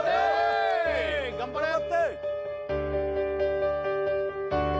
頑張れよ！